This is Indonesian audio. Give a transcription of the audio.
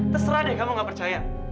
terserah deh kamu gak percaya